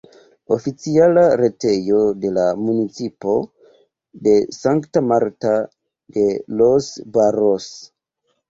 Oficiala retejo de la municipo de Santa Marta de los Barros.